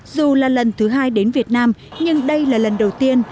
dù là lần thứ hai đến việt nam nhưng đây là lần đầu tiên